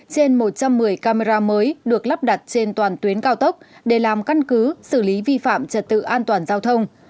trên một trăm một mươi camera mới được lắp đặt trên toàn tuyến cao tốc để làm căn cứ xử lý vi phạm trật tự an toàn giao thông